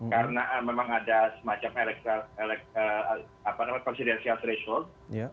karena memang ada semacam presidential threshold